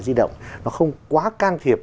di động nó không quá can thiệp